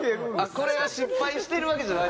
これは失敗してるわけじゃないんですね。